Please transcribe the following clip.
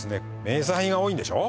名産品が多いんでしょ？